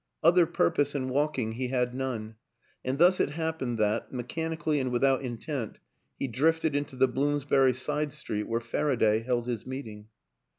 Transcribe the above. Other purpose in walking he had none and thus it happened that, mechanically and without intent, he drifted into the Bloomsbury side street where Faraday held his meeting.